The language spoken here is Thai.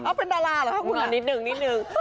อ่ะเป็นดาราระวะมะมะ